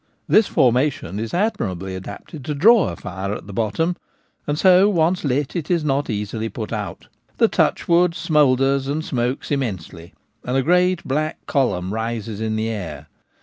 This formation is admirably adapted to ' draw ' a fire at the bottom, and so, once lit, it is not easily put out. The ' touchwood ' smoulders and smokes immensely, and a great black column rises in the air.